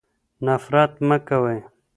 نفرت مه کوئ.